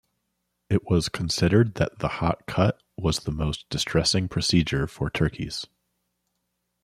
It was considered that the hot cut was the most distressing procedure for turkeys.